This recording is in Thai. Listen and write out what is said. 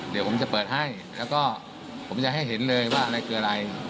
เดี๋ยวผมจะเปิดให้แล้วก็ผมจะให้เห็นเลยว่าอะไรคืออะไร